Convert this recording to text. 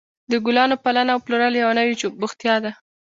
د ګلانو پالنه او پلورل یوه نوې بوختیا ده.